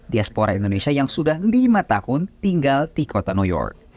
diaspora indonesia yang sudah lima tahun tinggal di kota new york